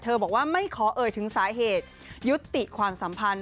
บอกว่าไม่ขอเอ่ยถึงสาเหตุยุติความสัมพันธ์